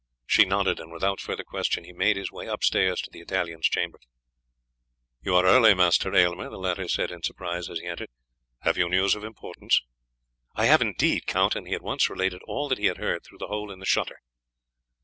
She nodded, and without further question he made his way upstairs to the Italian's chamber. "You are early, Master Aylmer," the latter said in surprise as he entered. "Have you news of importance?" "I have indeed, Count," and he at once related all that he had heard through the hole in the shutter.